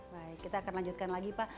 baik kita akan lanjutkan lagi pak